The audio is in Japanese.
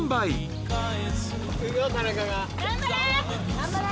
頑張れ！